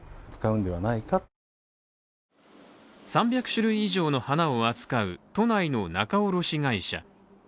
３００種類以上の花を扱う都内の仲卸会社。